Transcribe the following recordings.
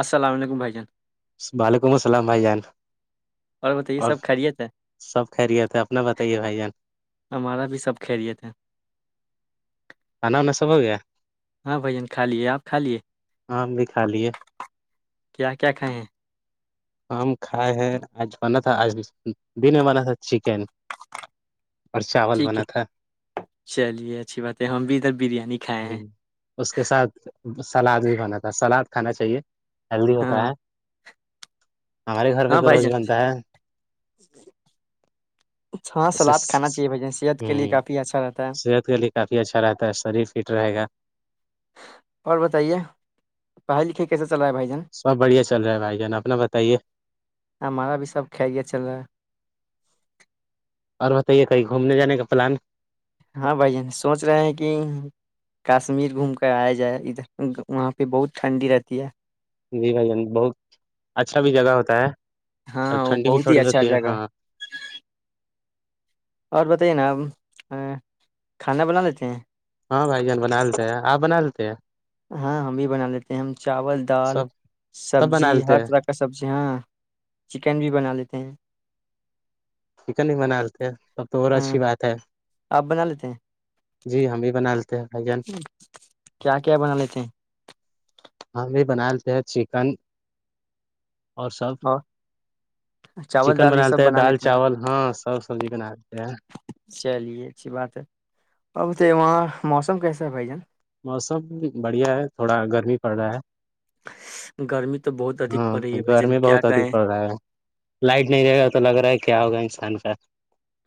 السلام علیکم بھائی جان وعلیکم السلام بھائی جان اور بتائیے سب خھریے تھے سب خیریت ہے اپنا بتائیے بھائی جان ہمارا بھی سب خریے تھے انا ن سب ہو گیا ہاں بھائیین کھا لیے آپ کھا لیے آم بھی کھا لیے کیا کیا کھائے ہیں ہمم کھائے ہے آج بنت تھ اج دن بناا تھا چکین ٹھیک ہے چلیے اچھی بات ہے ہم بھی ادھر بریانی کھائے ہ ہیں اس کے ساتھ سلاد بھی بنا تھا س سلاد کھانا چاہیے ہیلدی ہوتا ہاں ہے ہمارے گھر پہ ہاں تو بھائی روز جان بنتا ہے ہاں اس سلاد کھانا چاہیے بھائی جان صحت ہ کے لیے کافی اچھا رہتا ہے صحت کے لیے کافی اچھا رہتا ہے شریف فٹ رہے گا اور بتائیے پڑھائی لکھھی کیسے چل رہا ہے بھائی جن سب بڑھیا چل رہا ہے بھائی جان اپنا بتائیے ہمارا بھی سب کھا گیا چل رہا ہے اور بتائیے کہیں گھومنے جانے کا پلان ہاں بھائی جین سوچ رہے ہیں کہ کشمیر گھوم کر آیا جائے ادھر وہاں پہ بہت ٹھنڈی رہتی ہے جی بھائی جان بہت اچھا بھی جگہ ہوتا ہے اور ہاں وہ ٹھنڈی بھی بہت ہی تھوڑی اچھا ہوتی جگہ ہے ہاں اور بتائیے نا آب کھانا بنا لیتے ہیں ہاں بھائی جان بنا لیتے ہیں آپ بنا لیتے ہیں ہاں ہم بھی بنا لیتے ہیں ہم چاول دال سب سب بنا سبزی لیتے ہر ہیں طرح کا سبزی ہاں چکن بھی بنا لیتے ہیں چکن ہی بنا لیتے سب تو اور ہاں اچھی بات ہے آپ بنا لیتے ہیں جی ہم بھی بناتے کیا کیا بنا لیتے ہیں ہم بھی بنا لیتے ہیں چکن اور سب اور چاول چکن دال یہ بنا سب لیتے ہیں دال چاول ہاں سب سبزی بنا لیتے ہیں چلیے اچھی بات ہے اب تو وہاں موسم کیسا ہے بھائی جان موسم بڑھیا ہے تھوڑا گرمی پڑ رہا ہے گرمی تو بہت ادھک ہاں پڑ رہی ہے بھجن گرمی کیا بہت ادھ کہیں پڑ رہا ہے لائٹ نہیں رہے گا تو لگ رہا ہے کہ کیا ہوگا انسان کا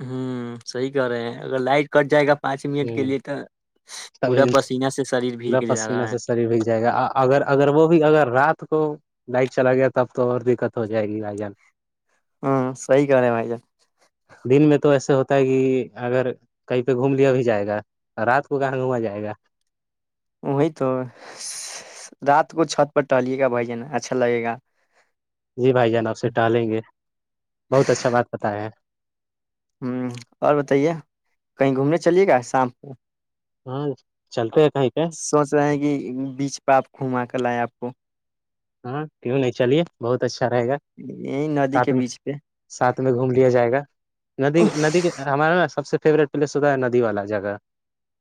ہوں صحیح کرہ رہے ہیں اگر لائٹ کٹ جائے گا پانچ منٹ ہ کے لیے تو تب پورا پسیینہ سے شریر پورا بھیگ جا پسیینہ رہا ہے سے شریر بگ جائے گا اگر اگر وہ بھی اگر رات کو بائک چلا گیا تب تو اور دقت ہو جائے گی بھائی جان ہاں سی کر رہے بائی جا دن میں تو ایسے ہوتا ہے کہ اگر کہیں پہ گھوم لیا بھی جائے گا رات کو کہاں گھوما جائے گا وہی تو رات کو چھت پر ٹہلے گا بھائی جن اچھا لگے گا جی بھائی جان آپ سے ٹالیں گے بہت اچھا بات پتا ہے ہوں اور بتائیے کہیں گھومنے چلیے گا شام کو ہاں چلتے ہیں کہیں پہ سوچ رہے ہیں کہ بیچ پہ آپ گھما کر لایا آپ و ہاں کیوں نہیں چلیے بہت اچھا رہے گا یہی ندی ساتھ کے میں بیچ پہ ساتھ میں گھوم لیا جائے گا ندی ندی کے ہمارا نا سب سے فیوریٹ پلیس ہودا ہے ندی والا جگہ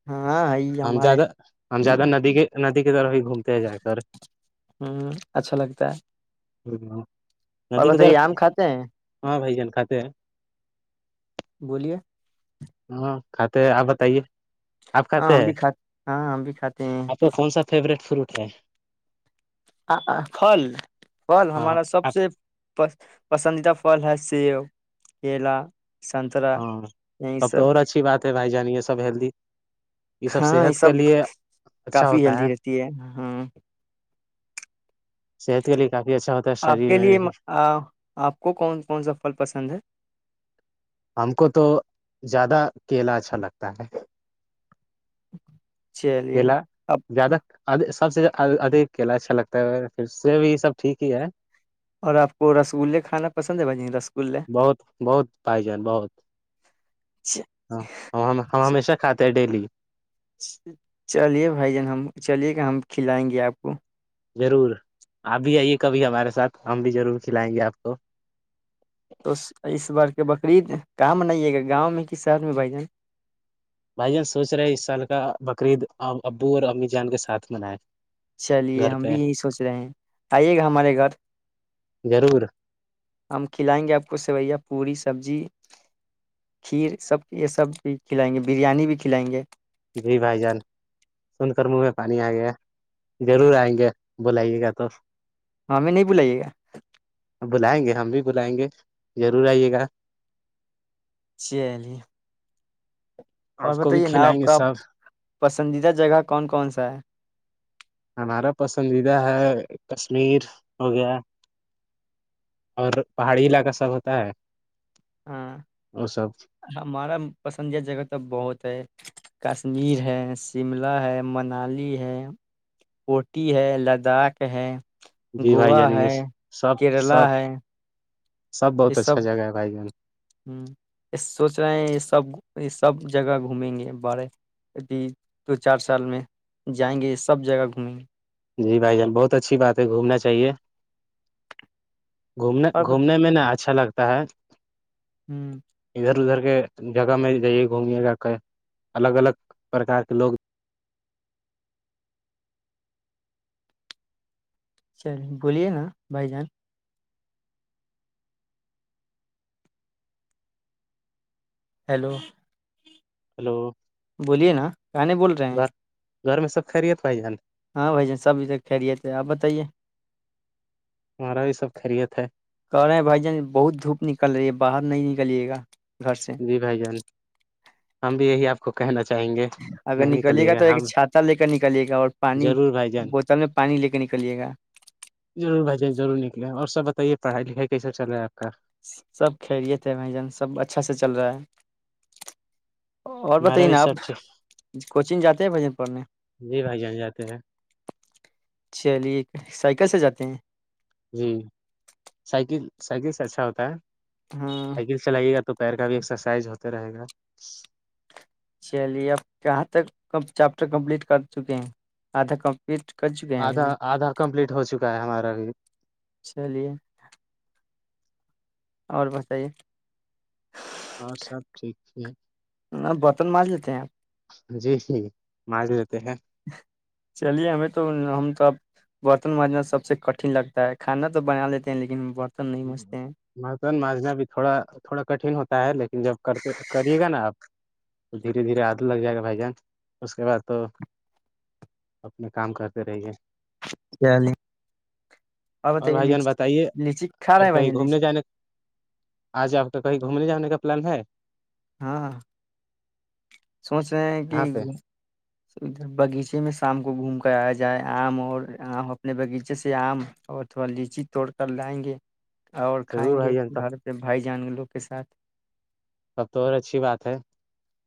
ہاں ہے ہم ہمارے زیادہ ہم زیادہ ندی کے ندی کی طرف ہی گھومتے ہیں جا کر انٹنجیبل ٹیکسٹ انٹینجیبل ٹیکسٹ اور بس یہ آم کھاتے ہیں ہاں بھائی جان کھاتے ہیں بولیے ہاں کھاتے ہیں آپ بتائیے آپ ہاں کہتے ہم ہیں بھی کھاتے ہاں ہم بھی کھاتے ہیں آپ کا کون سا فیوروریٹ فروٹ اناودیابل پھل پھل ہاں ہمارا سب آپ سے پسندیدہ فھل ہے سیب کلا ہاں سب تو اور اچھی بات ہے بھائی جان یہ سب ہیلدی ہاں یہ صحت سب کے لیے اچھا کافی ہوتا ہیلدی رہتی ہے ہاں صحت کے لیے کافی اچھا ہوتا ہے آپ شریر کے میں لیے بھی۔ آپ کو کون کون سا پھل پسند ہے ہم کو تو زیادہ کیلا اچھا لگتا ہے چلیے لا آپ زیادک [unintelligible] سب سے ا کیلا اچھا لگتا ہے پھر سے بھی سب ٹھیک ہی ہے اور آپ کو رسگے کھانا پسند ہے بھج رسگے انٹینجیبل ٹیکسٹ اں ہم ہمیشہ کھاتے ہیں ڈیلی چلیے بھائی جان ہم چلیے کہ ہم کھلائیں گے آپ کو ضرور آپ بھی آئیے کبھی ہمارے ساتھ ہم بھی ضرور کھلائیں گے آپ کو بکرریید کام نہیں ہے گا گاؤں میں کہ شہر میں بھائی جن بھائی جان سوچ رہے ہیں اس سال کا بقرعید ابو اور امی جان کے ساتھ منائے چلیے گھر ہم پہ بھی یہی سوچ رہے ہیں آئیے گا ہمارے گھر ضرور ہم کھلائیں گے آپ کو سویا پوڑی سبزی کھیر سب یہ سب بھی کھلائیں گے بریانی بھی کھلائیں گے جی بھائی جان سن کر منہ میں پانی آ گیا ضرور آئیں گے بلائیے گا تو ہاں ہمیں نہیں بلائیے گا بلائیں گے ہم بھی بلائیں گے ضرور آئیے گا چلی اور آپ کو بھی بتائیے نا کھلائیں آپ گے کا سب پسندیدہ جگہ کون کون سا ہے ہمارا پسندیدہ ہے کشمیر ہو گیا اور پہاڑی علاقہ سب ہوتا ہے ہاں وہ سب ہمارا پسندید جگہ تو بہت ہے کشمیر ہے شملہ ہے منالی ہے کوٹی ہے لداخ ہے جی بھائی گووا جان یہ ہے سب کیرلا سب ہے یہ بہت سب اچھا جگہ ہے بھائی جان ہ یہ سوچ رہے ہیں یہ سب یہ سب جگہ گھومیں گے بارے اب دو چار سال میں جائیں گے یہ سب جگہ گھومیں گے جی بھائی جان بہت اچھی بات ہے گھومنا چاہیے گھومنے گھومنے میں ن اچھا لگتا ہے ہوں ادھر ادھر جگہ میں جائیے گھومے جا کے الگ الگ پرکار کے لوگ چلیے بولیے نا بھائی جان ہیلو ہلو بولیے نا کہانی بول رہے ہیں گھر گھر میں سب خریےت بھائی جان ہاں بھائی جان سب ا تک خھلیے تھے آپ بتائیے ہمارا بھی سب خیریت ہے کہ رہے بھائی جن بہت دھوپ نکل رہی ہے باہر نہیں نکلیے گا گھر سے جی بھائی جان ہم بھی یہی آپ کو کہنا چاہے اگر نکلیے گا تو ایک چھاتا لے کر نکلیے گا اور پانی ضرور بھائی جان بوتل میں پانی لے کر نکلیے گا تو یہ پڑھائی لکھائی کیسا چلا ہے اپ کا سب خیریت سے ہیں بھائی جان سب اچھا سے چل رہا ہے اور ہمارا بتائیے بھی نا سب آپ ٹھیک کوچنگ جاتے ہیں بھائی جان پڑھنے جی بھائی جان جاتے ہیں چلیے سائیکل سے جاتے ہیں جی سائیکل سائیکل سے اچھا ہوتا ہے ہاں سائیکل چلائیے گا تو پیر کا بھی ایکسرسائز ہوتا رہے گا چلیے اپ کہاں تک چیپٹر کمپلیٹ کر چکے ہیں آدھا کمپلیٹ کر چکے ہیں بھائی آدھا جان آدھا کمپلیٹ ہو چکا ہے ہمارا بھی چلیے اور بتائیے اور سب ٹھیک ن برتن مانج لیتے ہیں آپ جی جی مانج لیتے ہیں چلیے ہمیں تو ہم تو اب برتن مانجنا سب سے کٹھن لگتا ہے کھانا تو بنا لیتے ہیں لیکن برتن نہیں مانجتے ہیں برتن مانجنا بھی تھوڑا تھوڑا کٹھن ہوتا ہے لیکن جب کرتے کریے گا نا آپ تو دھیرے دھیرے عادت لگ جائے گا بھائی جان اس کے بعد تو اپنے کام کرتے رہیے اور بھائی جان بتائیے [inaudible] اور کہیں جان لیچی گھومنے جانے آ ج تو کہیں گھومنے جانا کا پلان ہے ہاں ہاں سوچ رہے ہیں کہ یہاں پہ ادھر باغیچے میں شام کو گھوم کر آیا جائے آم اور آپ اپنے باغیچے سے آم اور تھوڑا لیچی توڑ کر لاے گے اور کھائیں ضرور گے بھائی جان تو گھر پہ بھائی جانوروں کے ساتھ تب تو اور اچھی بات ہے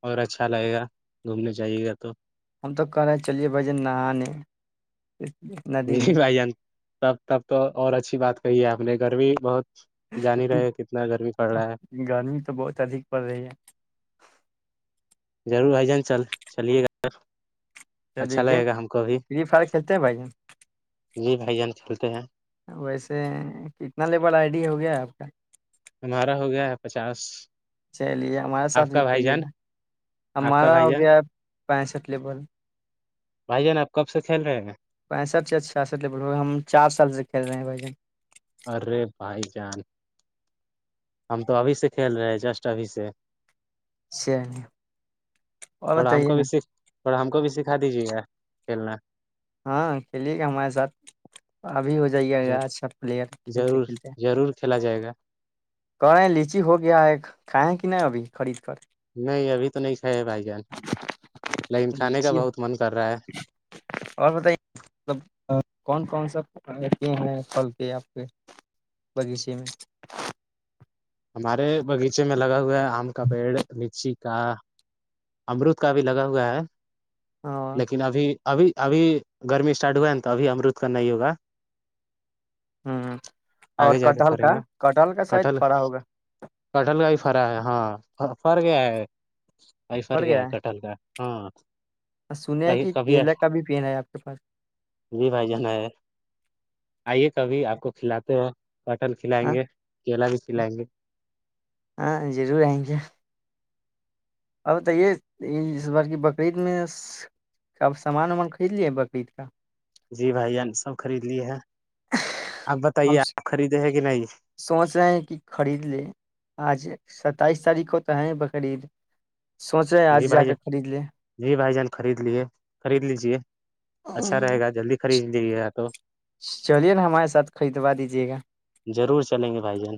اور اچھا لگے گا گھومنے جائیے گا تو ہم تو کہہ رہے چلیے بھائی جان نہانے ندی میں ج بھائی جان تب تب تو اور اچھی بات کہی ہے آپ نے گرمی بھی بہت جان ہی رہے کتنا گرمی پڑ رہا گرمی تو بہت ادھک پڑ رہی ہے ضرور بھائی جان چل چلیے گا چلئے اچھا گیم لگے گا ہم کو فری فائر کھیلتے ہیں بھائی جان نہیں بھائی جان کھیلتے ہیں ویسے کتنا لیبل آئی ڈی ہو گیا آپ کا ہمارا ہو گیا ہے پچاس چلیے ہمارا ساتھ آپ بھی کا بھائی کھیلیے جان گا آپ کا ہمارا بھائی ہو جان گیا پینسھ لیبول بھائی جان آپ کب سے کھیل رہے ہیں پینسٹھ سےیا چھیاسٹھ لیبول ہو گئے ہم چار سال سے کھیل رہے ہیں بھائی جن ارے بھائی جان ہم تو ابھی سے کھیل رہے ہیں جسٹ ابھی سے چ نہیں اور بتائیے نا اور ہم کو بھی سکھا دیجیے گا کھیلنا ہاں کھیلیے گا ہمارے ساتھ ابھی ہو جائیے گا اچھا پلیئر کھیلتے ضرور کھیلتے ضرور کھیلا جائے گا کرے لیچی ہو گیا ہے کھیں کہ ن ابھی خرید کر نہیں ابھی تو نہیں کھائے بھائی جان لیکن کھانے کا لیچی بہت من کر رہا ہے اور بتائیے ملب کون کون سا ہیں پھل کے آپ کے بغیچے میں ہمارے باغیچے میں لگا ہوا ہے آم کا پیڑ لچی کا امرت کا بھی لگا ہوا ہے ہاں لیکن ابھی ابھی ابھی گرمی اسٹارٹ ہوا ہے نا تو ابھی امرت کا نہیں ہوگا ہ اور آگے جا کے کٹہل فرے کا گا کٹہل کا سائید پڑا ہوگا کٹہل کا بھی فرا ہے ہاں فر گیا ہے ائی فر کیا کٹل کا ہاں آ سن ہیں کہیں کہ کبھی کیلا کا بھی پین ہے آپ کے پاس جی بھائی جانا ہے آئیے کبھی آپ کو کھلاتے ہو پاٹل کھلائیں ہاں گے کیلا بھی کھلائیں گے ہاں اب بتائیے اس بار کی بقرریید میںب سامان وامان خرید لے بقرریید جی بھائی سب خرید لیے ہے ہم ہیں کہ نہیں سوچ رہے ہیں کہ خرید لے آج س تائیس تاریخ کو تو ہے بقرعید سوچ رہے ہیں جی آج جا بھائی کے جان خرید لے جی بھائی جان خرید لیے خرید لیجیے اچھا رہے گا جلدی خرید جی گیا تو [unintelligible] چلیے نا ہمارے ساتھ خریدوا دیجیے گا ضرور چلیں گے بھائی جان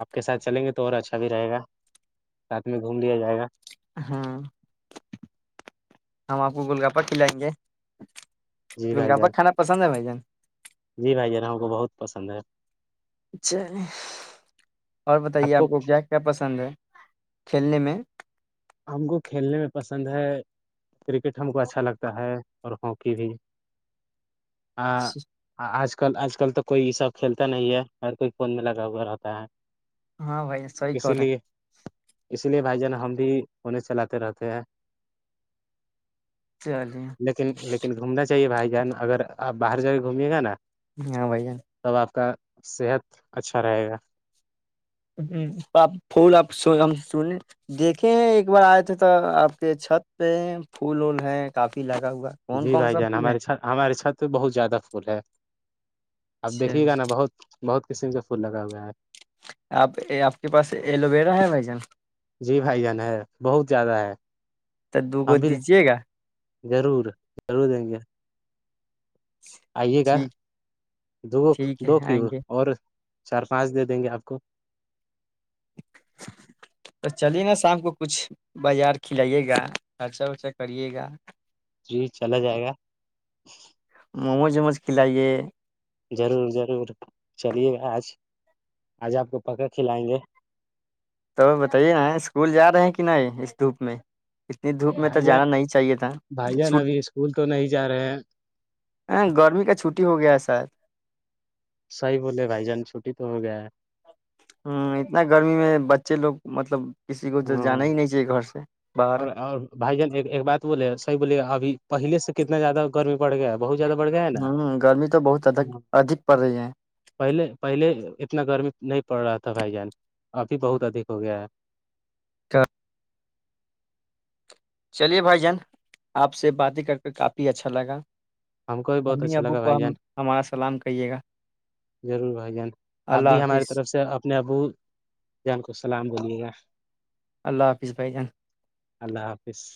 آپ کے ساتھ چلیں گے تو اور اچھا بھی رہے گا ساتھ میں دیا جائے گا ہاں ہم آپ کو گل گاپا کھلائیں گے جی گول بھائی گپا جان کھانا پسند ہے بھائی جان جی بھائی جان ہم کو بہت پسند ہے اچھا اور بتائیے آپ کو کیا کیا پسند ہے کھیلنے میں [inaudible] ہم کو کھیلنے میں پسند ہے کرکٹ ہم کو اچھا لگتا ہے اور ہاکی بھی ہ اچھ [unintelligible] کل آج کل تو کوئی یہ سب کھیلتا نہیں ہے اور کوئی فون میں لگا ہوا رہتا ہے ہاں بائی سی کرے اس لیے بھائی جان ہم بھی اننے چلاتے رہتے ہیں چلیے لیکن لیکن گھومنا چاہیے بھائی ی اگر آپ باہر جا کے گھمیے گا نا ہاں بھائی جان تب آپ کا صحت اچھا رہے گا ہ آپ پھول آپ ہم سنے دیکھے ایک بار آئے تھے تو آپ کے چھت پہ پھول وول ہے کافی لگ جی بھائی جان ہمارےھ ہمارے ساتھ تو بہت زیادہ پھول ہے اب دیکھیے گا چلیے نا بہت بہت قسم کا پھول لگا ہوئے ہے آپ آپ کے پاس ایلوویرا ہے بھائی جان جی بھائی جان ہے بہت زیادہ ہے تو دو گو ہم بھی دیجیے گا [unintelligible] ضرور ضرور دیں گے آئیے گا ٹھیک ٹھیک ہے دو آئیں کیو گے اور چار پانچ دے دیں گے آپ کو تو چلیے نا شام کو کچھ بازار کھلائیے گا خرچا رچا کریے گا جی چلا جائے گا مج م مج کھلائیے ضرور ضرور چلیے گا آج آج آپ کو پکا کھلائیں گے تو بتائیے نا اسکول جا رہے ہیں کہ نہیں اس دھوپ میں اتنی دھوپ میں تو بھائی جان جانا نہیں چاہیے تھا بھائی چ جان ابھی اسکول تو نہیں جا رہے ہیں ہ گرمی کا چھٹی ہو گیا شاید صیح بولے بھائی جان چھٹی تو ہو گیا ہے ہوں اتنا گرمی میں بچے لوگ مطلب کسی کو تو جانا ہاں ہی نہیں چاہیے گھر سے باہر اور اور بھائی جان ایک بات بولے صحیح بولے ابھی پہل سے کتنا زیادہ گرمی بڑھ گیا بہت زیادہ بڑھ گیا ہے نا ہوں گرمی تو بہت ادک ہ ادھک پڑ رہی ہے پہلے پہلے اتنا گرمی نہیں پڑ رہا تھا بھائی جان ابھی بہت ادھک ہو گیا ہے چار [unintelligible] چلیے بھائی جان آپ سے بات ہی کر کے کافی اچھا لگا ہم کو بھی بہت امی اچھا ابو لگا کو بھائی ہم جان ہمارا سلام کہیے گا ضرور بھائی جان آپ اللہ بھی ہماری حافظ طرف سے اپنے ابو جان کو سلام دیلیے گا اللہ حافظ بھائی جان اللہ حافظ